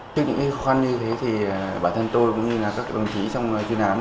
trước những khó khăn như thế thì bản thân tôi cũng như là các đồng chí trong chuyên án